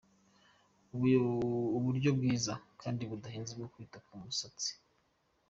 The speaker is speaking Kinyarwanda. Uburyo bwiza kandi budahenze bwo kwita ku musatsi